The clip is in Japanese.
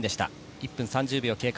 １分３０秒を経過。